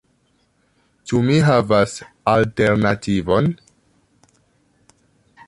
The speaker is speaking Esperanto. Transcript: Ĉu mi havas alternativon?